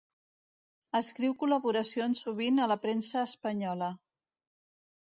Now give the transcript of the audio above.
Escriu col·laboracions sovint a la premsa espanyola.